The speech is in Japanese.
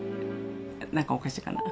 なんかおかしいかな？